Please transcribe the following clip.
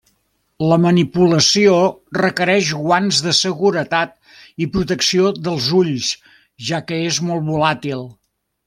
La manipulació requereix guants de seguretat i protecció dels ulls, ja que és molt volàtil.